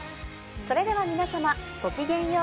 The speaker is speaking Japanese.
それでは皆さまごきげんよう。